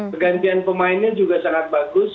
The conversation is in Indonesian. pergantian pemainnya juga sangat bagus